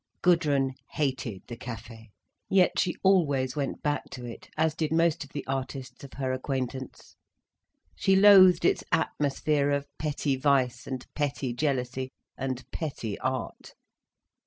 Gudrun hated the Café, yet she always went back to it, as did most of the artists of her acquaintance. She loathed its atmosphere of petty vice and petty jealousy and petty art.